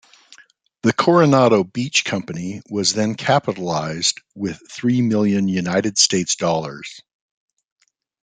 The Coronado Beach Company was then capitalized with three million United States dollars.